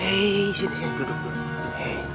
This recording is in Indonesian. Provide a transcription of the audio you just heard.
hei sini sini duduk dulu